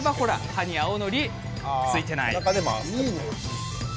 歯に青のり、ついてない。